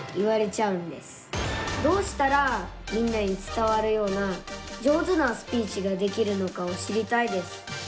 どうしたらみんなに伝わるような上手なスピーチができるのかを知りたいです。